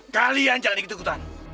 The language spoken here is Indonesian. kalian jangan begitu kutahan